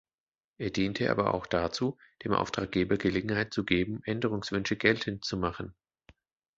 Er diente aber auch dazu, dem Auftraggeber Gelegenheit zu geben, Änderungswünsche geltend zu machen.